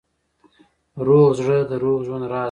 روغ زړه د روغ ژوند راز دی.